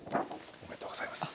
ありがとうございます。